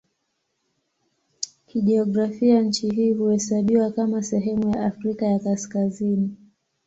Kijiografia nchi hii huhesabiwa kama sehemu ya Afrika ya Kaskazini.